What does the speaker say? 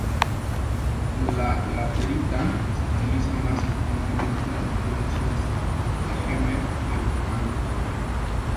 La laterita se utiliza más comúnmente en las provincias de Jemer en Angkor.